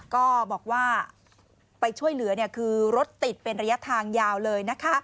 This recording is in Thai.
ก็บอกว่าไปช่วยเหลือคือรถติดเป็นระยะทางยาวเลยนะคะ